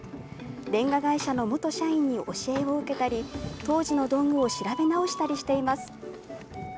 れんが会社の元社員に教えを受けたり、当時の道具を調べ直したりしています。